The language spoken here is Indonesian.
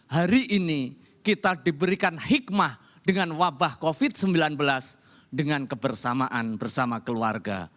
hari ini kita diberikan hikmah dengan wabah covid sembilan belas dengan kebersamaan bersama keluarga